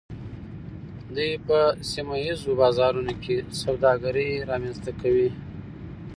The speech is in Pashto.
دوی په سیمه ایزو بازارونو کې سوداګري رامنځته کوي